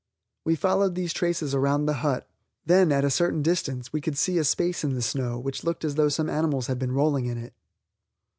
We followed these traces around the hut, then at a certain distance we could see a space in the snow which looked as though some animals had been rolling in it.